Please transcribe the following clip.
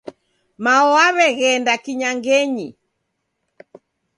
Mao waweghenda kinyangenyi